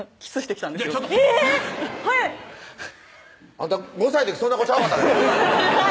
あんた５歳の時そんな子ちゃうかったで